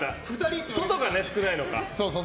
外が少ないのか。